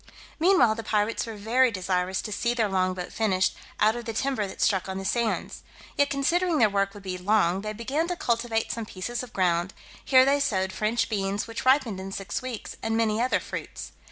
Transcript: Meanwhile the pirates were very desirous to see their long boat finished out of the timber that struck on the sands; yet considering their work would be long, they began to cultivate some pieces of ground; here they sowed French beans, which ripened in six weeks, and many other fruits.